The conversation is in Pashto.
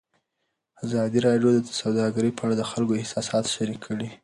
ازادي راډیو د سوداګري په اړه د خلکو احساسات شریک کړي.